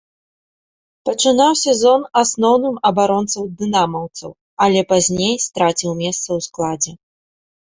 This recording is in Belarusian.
Пачынаў сезон асноўным абаронцам дынамаўцаў, але пазней страціў месца ў складзе.